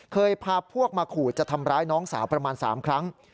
พาพวกมาขู่จะทำร้ายน้องสาวประมาณ๓ครั้ง